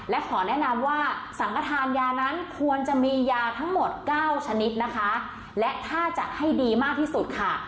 และขอแนะนำว่าสังขทานยานั้นควรจะมียาทั้งหมดเก้าชนิดนะคะและถ้าจัดให้ดีมากที่สุดค่ะ